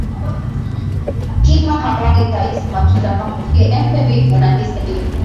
Kima hawali kabisa matunda kama vile Embe mbivu na ndizi mbivu